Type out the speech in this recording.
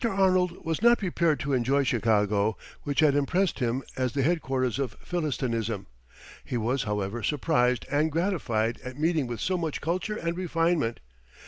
Arnold was not prepared to enjoy Chicago, which had impressed him as the headquarters of Philistinism. He was, however, surprised and gratified at meeting with so much "culture and refinement."